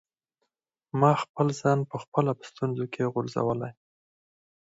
ما خپل ځان په خپله په ستونزو کي غورځولی.